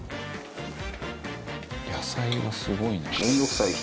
「野菜がすごいな」